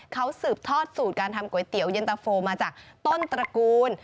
เขาสืบทอดสูตรการทำก๋วยเตี๋ยวเย็นตะโฟมาจากต้นตระกูล